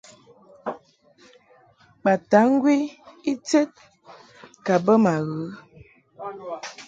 Bataŋgwi ited ka bə ma ghə.